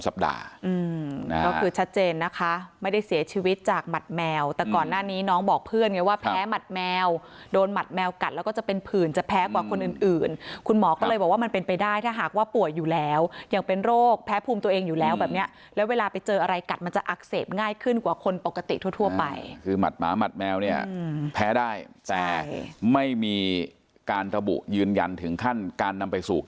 เพื่อนไงว่าแพ้หมัดแมวโดนหมัดแมวกัดแล้วก็จะเป็นผื่นจะแพ้กว่าคนอื่นอื่นคุณหมอก็เลยบอกว่ามันเป็นไปได้ถ้าหากว่าป่วยอยู่แล้วอย่างเป็นโรคแพ้ภูมิตัวเองอยู่แล้วแบบเนี้ยแล้วเวลาไปเจออะไรกัดมันจะอักเสบง่ายขึ้นกว่าคนปกติทั่วทั่วไปคือหมัดหมาหมัดแมวเนี้ยแพ้ได้แต่ไม่มีการทะบุยืนยันถึงขั้นการน